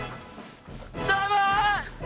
どうも！